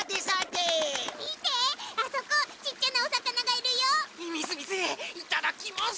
いただきます！